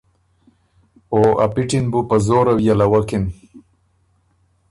او ا پِټی ن بُو په زوره وئلوَکِن۔